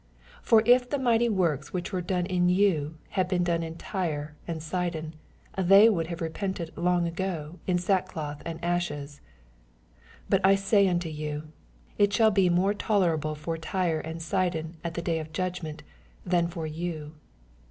for if thm mighty works, which were done in you, had been done in Tyre and Si don, they would have repented long ago in sackcloth and ashes. 22 But I say unto you. It shall be more tolerable for Tyre and Sidon at the dav of juc^ment, than for you.